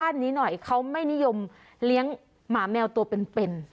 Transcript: นี้หน่อยเขาไม่นิยมเลี้ยงหมาแมวตัวเป็น